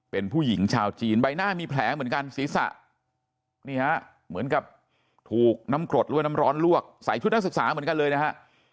เป็นผู้หญิงชาวจีนใบหน้ามีแผลเหมือนกันศีรษะนี่ฮะเหมือนกับถูกน้ำกรดหรือว่าน้ำร้อนลวกใส่ชุดนักศึกษาเหมือนกันเลยนะฮะ